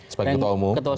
sebagai ketua umum